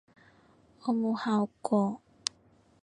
我冇考過